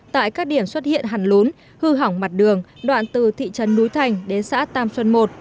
tại các điểm xuất hiện hẳn lún hư hỏng mặt đường đoạn từ thị trấn núi thành đến xã tam xuân i